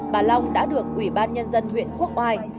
bà long đã được quỹ ban nhân dân huyện quốc hoai